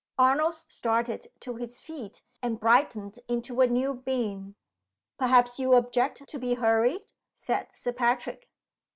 Arnold started to his feet, and brightened into a new being. "Perhaps you object to be hurried?" said Sir Patrick.